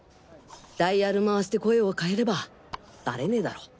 ダイヤル回して声を変えればバレねぇだろ。